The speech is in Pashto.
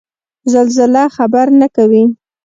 زلزله خبر نه کوي